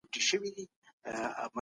اسلام د ټولني هوساینه غواړي.